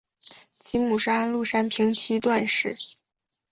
其母是安禄山平妻段氏。